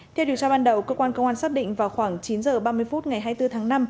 theo điều tra ban đầu cơ quan công an xác định vào khoảng chín h ba mươi phút ngày hai mươi bốn tháng năm